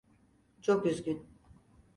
Çok üzgün.